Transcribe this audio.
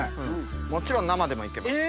もちろん生でも行けます。